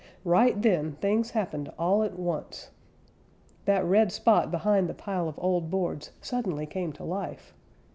Right then things happened all at once. That red spot behind the pile of old boards suddenly came to life.